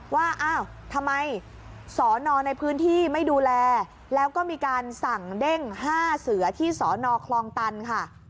ว่าอ้าวทำไมสนอเด้งข้าวคลองตันที่สนอคลองตันค่ะ